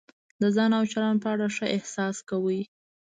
د ځان او چلند په اړه ښه احساس کوئ.